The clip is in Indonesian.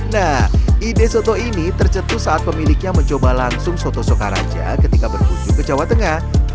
nah ide soto ini tercetus saat pemiliknya mencoba langsung soto sokaraja ketika berkunjung ke jawa tengah